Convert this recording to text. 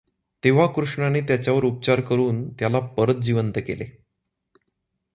तेव्हा कृष्णाने त्याच्यावर उपचार करून त्याला परत जिवंत केले.